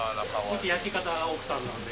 うち焼き方は奥さんなので。